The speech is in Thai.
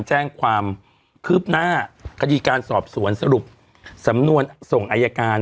แจ้งความคืบหน้าคดีการสอบสวนสรุปสำนวนส่งอายการ